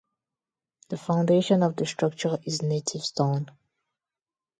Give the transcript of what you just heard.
The foundation of the structure is native stone.